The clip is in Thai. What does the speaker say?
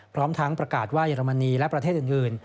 พร้อมทั้งประกาศว่าเยอรมนีและประเทศอื่น